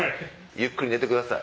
ゆっくり寝てください